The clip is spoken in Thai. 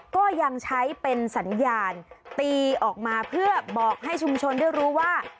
ก็ยังใช้เป็นสัญญาณตีออกมาเพื่อบอกให้ชุมชนได้รู้ว่า